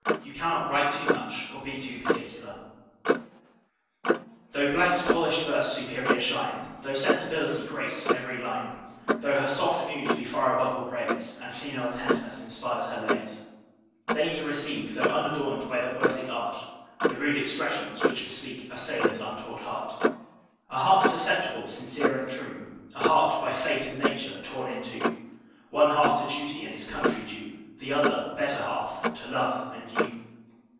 You cannot write too much, or be too particular. Though 's polish'd verse superior shine, Though sensibility grace every line; Though her soft Muse be far above all praise. And female tenderness inspire her lays: Deign to receive, though unadorn'd By the poetic art, The rude expressions which bespeak A Sailor's untaught heart! A heart susceptible, sincere, and true; A heart, by fate, and nature, torn in two: One half, to duty and his country due; The other, better half, to love and you!